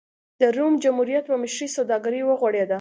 د روم جمهوریت په مشرۍ سوداګري وغوړېده.